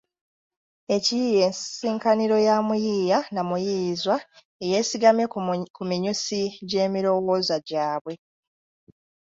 Ekiyiiye nsisinkaniro ya muyiiya na muyiiyizwa eyeesigamye ku minyusi gy’emirowooza gyabwe.